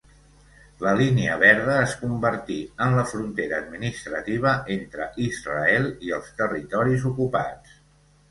La Línia verda es convertí en la frontera administrativa entre Israel i els territoris ocupats.